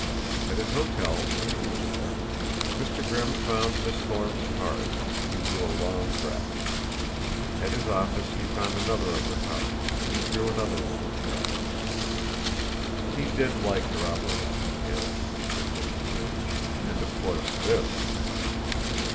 At his hotel, when he reached there, Mr. Grimm found Miss Thorne's card and he drew a long breath; at his office he found another of her cards, and he drew another long breath. He did like corroborative details, did Mr. Grimm, and, of course, this